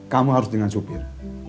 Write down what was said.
kamu harus dengan supir